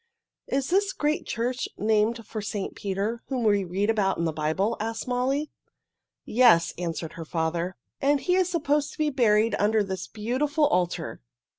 "Is this great church named for St. Peter whom we read about in the Bible?" asked Molly. "Yes," answered her father. "And he is supposed to be buried under this beautiful altar.